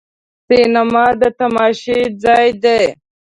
سینما د تماشا ځای دی.